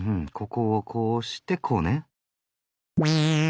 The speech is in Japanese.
ここをこうしてこうね。